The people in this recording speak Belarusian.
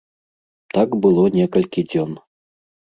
Так было некалькі дзён.